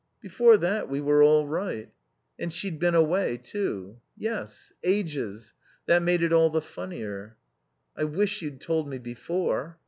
"Before that we were all right." "And she'd been away, too." "Yes. Ages. That made it all the funnier." "I wish you'd told me before."